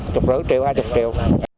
chục rưỡi triệu hai mươi triệu